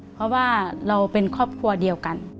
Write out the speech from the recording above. เพราะว่าเราเป็นครอบครัวเดียวกัน